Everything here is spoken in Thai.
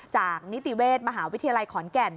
นิติเวชมหาวิทยาลัยขอนแก่น